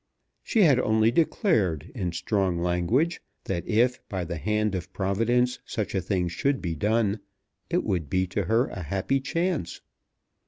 She had only declared in strong language that if, by the hand of Providence, such a thing should be done, it would be to her a happy chance.